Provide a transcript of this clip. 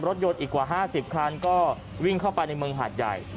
รถยนต์อีกกว่า๕๐คันก็วิ่งเข้าไปในเมืองหาดใหญ่